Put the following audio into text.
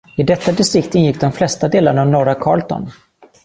I detta distrikt ingick de flesta delarna av norra Carleton.